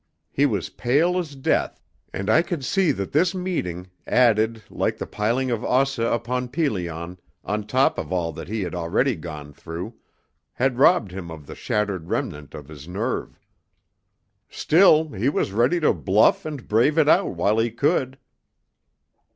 He was pale as death, and I could see that this meeting, added, like the piling of Ossa upon Pelion, on top of all that he had already gone through, had robbed him of the shattered remnant of his nerve. Still, he was ready to "bluff" and brave if out while he could.